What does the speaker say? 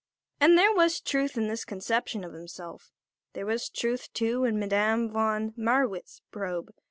And there was truth in this conception of himself. There was truth, too, in Madame von Marwitz's probe.